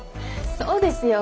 そうですよ。